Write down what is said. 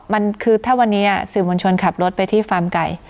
มันคือถ้าวันนี้สื่อมวลชนขับรถไปที่ฟาร์มไก่